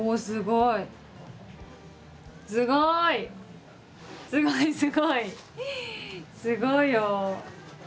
すごいよ。